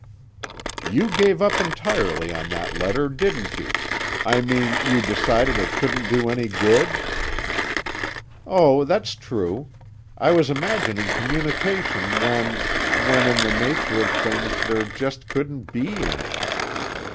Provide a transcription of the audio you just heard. "You gave up entirely on that letter, didn't you? I mean, you decided it couldn't do any good?" "Oh, that's true. I was imagining communication when when in the nature of things there just couldn't be any.